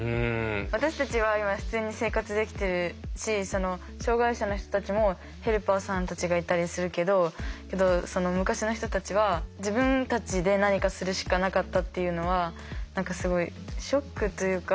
私たちは今普通に生活できてるし障害者の人たちもヘルパーさんたちがいたりするけど昔の人たちは自分たちで何かするしかなかったっていうのは何かすごいショックというか。